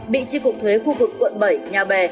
bị tri cục thuế khu vực quận bảy nhà bè